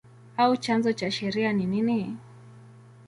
au chanzo cha sheria ni nini?